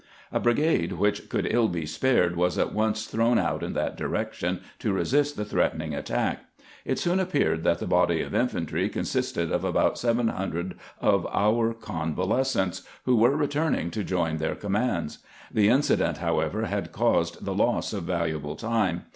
A brigade which could ill be spared was at once thrown out in that di rection to resist the threatened attack. It soon appeared that the body of infantry consisted of about seven hun dred of our convalescents, who were returning to join their commands. The incident, however, had caused the loss of valuable time.